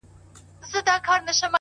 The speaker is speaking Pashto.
ویل کيږي چي کارګه ډېر زیات هوښیار دی-